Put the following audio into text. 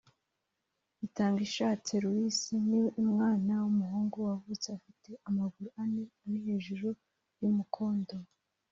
Itangishatse Louis ni umwana w’umuhungu wavutse afite amaguru ane ari hejuru y’ umukondo